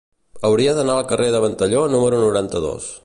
Hauria d'anar al carrer de Ventalló número noranta-dos.